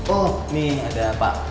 oh nih ada pak